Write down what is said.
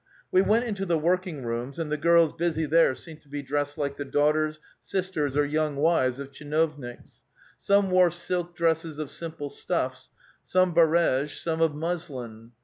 We went into the working rooms, and the girls busy there seemed to be dressed like the daughters, sisters, or young wives of tcliinovniks ; some wore silk dresses of simple stuffs ; some bardge, some of muslin.